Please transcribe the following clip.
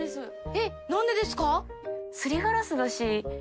えっ！